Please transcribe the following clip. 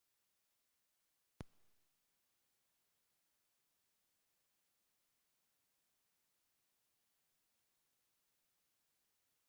nazi-integralismo